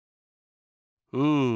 うん。